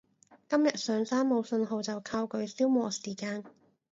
今日上山冇訊號就靠佢消磨時間